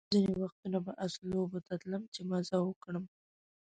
ځینې وختونه به آس لوبو ته تلم چې مزه وکړم.